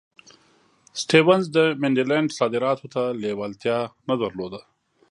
سټیونز د منډلینډ صادراتو ته لېوالتیا نه درلوده.